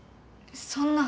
そんな。